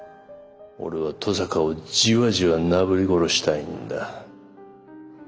俺は登坂をじわじわなぶり殺したいんだ。